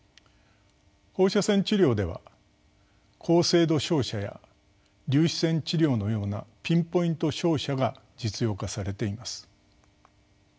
放射線治療では高精度照射や粒子線治療のようなピンポイント照射が実用化されています。